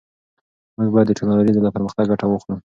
موږ باید د ټیکنالوژۍ له پرمختګ ګټه واخلو.